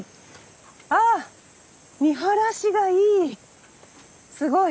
ああ見晴らしがいい！